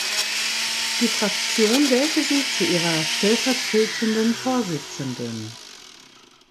Die Fraktion wählte sie zu ihrer stellvertretenden Vorsitzenden.